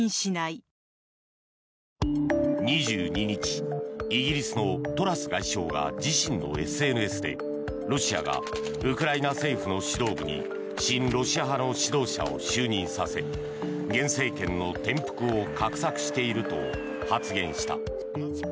２２日イギリスのトラス外相が自身のＳＮＳでロシアがウクライナ政府の指導部に親ロシア派の指導者を就任させ現政権の転覆を画策していると発言した。